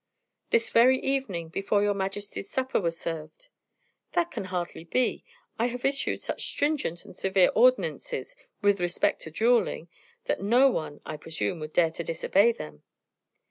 "This very evening, before your majesty's supper was served." "That can hardly be. I have issued such stringent and severe ordinances with respect to duelling, that no one, I presume, would dare to disobey them."